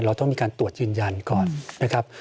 เราต้องมีการตรวจยืนยันก่อนนะครับ